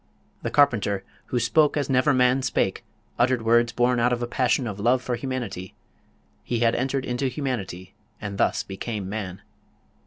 The Carpenter who spoke as "never man spake" uttered words born out of a passion of love for humanity he had entered into humanity, and thus became Man.